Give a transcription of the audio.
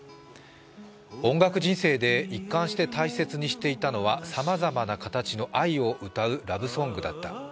音楽人生で一貫して大切にしていたのはさまざまな形の愛を歌うラグソングだった。